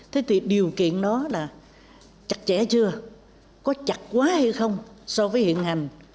thì điều kiện đó là chặt chẽ chưa có chặt quá hay không so với hiện hành